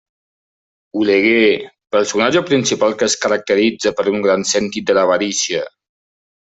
Oleguer: personatge principal que es caracteritza per un gran sentit de l'avarícia.